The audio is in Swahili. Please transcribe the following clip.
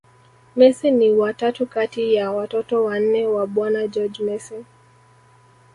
Messi ni wa tatu kati ya watoto wanne wa bwana Jorge Mesi